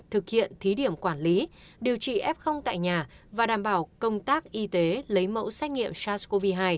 thực hiện thí điểm quản lý điều trị f tại nhà và đảm bảo công tác y tế lấy mẫu xét nghiệm sars cov hai